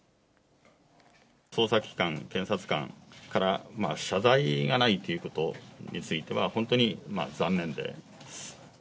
捜査機関、検察官から謝罪がないということについては、本当に残念です。